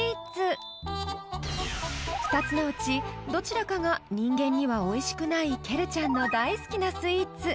［２つのうちどちらかが人間にはおいしくないケルちゃんの大好きなスイーツ］